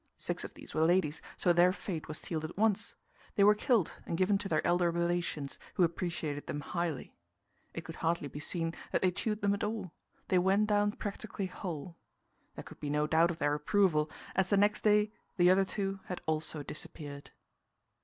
Six of these were ladies, so their fate was sealed at once; they were killed and given to their elder relations, who appreciated them highly. It could hardly be seen that they chewed them at all; they went down practically whole. There could be no doubt of their approval, as the next day the other two had also disappeared.